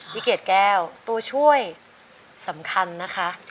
เกดแก้วตัวช่วยสำคัญนะคะ